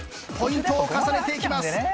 ポイントを重ねていきます。